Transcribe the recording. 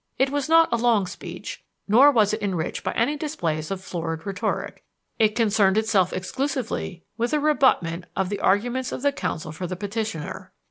It was not a long speech, nor was it enriched by any displays of florid rhetoric; it concerned itself exclusively with a rebutment of the arguments of the counsel for the petitioner.